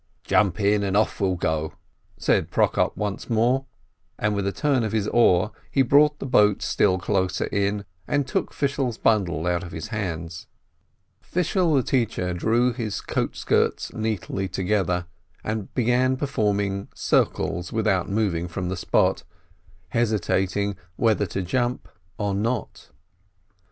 "Jump in, and off we'll go !" said Prokop once more, and with a turn of his oar he brought the boat still closer in, and took Fishel's bundle out of his hands. Fishel the teacher drew his coat skirts neatly together, and began to perform circles without moving from the spot, hesitating whether to jump or not.